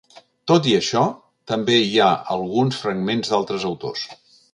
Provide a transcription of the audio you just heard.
Tot i això, també hi ha alguns fragments d’altres autors.